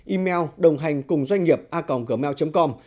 email đồng hành cùng doanh nghiệp a gmail com